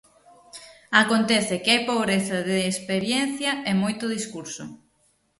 Acontece que hai pobreza de experiencia e moito discurso.